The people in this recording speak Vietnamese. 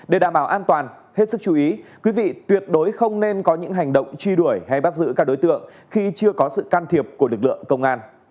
để đảm bảo an toàn hết sức chú ý quý vị tuyệt đối không nên có những hành động truy đuổi hay bắt giữ các đối tượng khi chưa có sự can thiệp của lực lượng công an